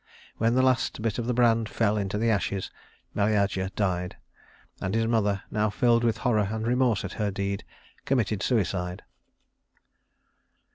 When the last bit of the brand fell into the ashes, Meleager died; and his mother, now filled with horror and remorse at her deed, committed suicide.